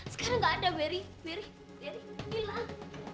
sekarang gak ada beri beri beri hilang